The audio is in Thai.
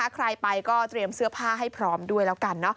ใครไปก็เตรียมเสื้อผ้าให้พร้อมด้วยแล้วกัน